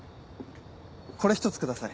これ１つ下さい。